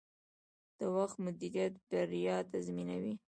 د وخت مدیریت بریا تضمینوي.